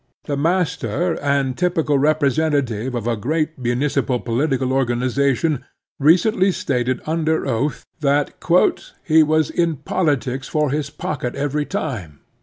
The master and typical representa tive of a great municipal poUtical organization recently stated under oath that he was in politics for his pocket every time."